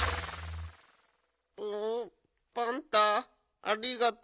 プパンタありがと。